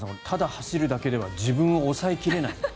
ただ走るだけでは自分を抑え切れない。